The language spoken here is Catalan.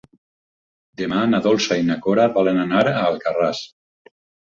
Demà na Dolça i na Cora volen anar a Alcarràs.